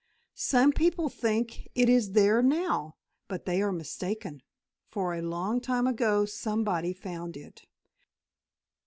Some people think it is there now, but they are mistaken, for a long time ago somebody found it.